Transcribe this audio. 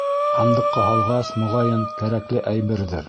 Һандыҡҡа һалғас, моғайын, кәрәкле әйберҙер.